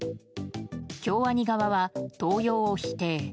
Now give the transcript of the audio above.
京アニ側は盗用を否定。